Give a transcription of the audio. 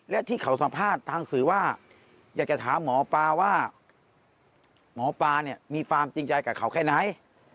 และที่เขาสัมภาษณ์ทางสื่อว่าอยากจะถามหมอปลาว่าหมอปลาเนี่ยมีความจริงใจกับเขาแค่ไหน